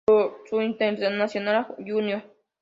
Por su internacionalidad júnior.